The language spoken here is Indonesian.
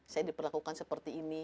saya diperlakukan seperti ini